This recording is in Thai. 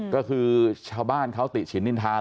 ก็คือชาวบ้านเขาติฉินนินทา